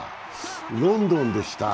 ロンドンでした。